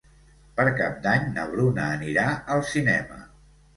Per Cap d'Any na Bruna anirà al cinema.